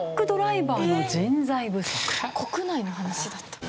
国内の話だった。